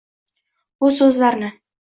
Bu so’zlarni